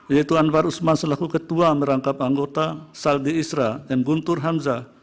yaitu anwar usman selaku ketua merangkap anggota saldi isra dan guntur hamzah